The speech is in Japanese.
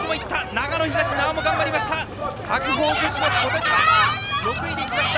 長野東、名和も頑張りました。